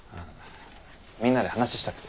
みんなで話したくて。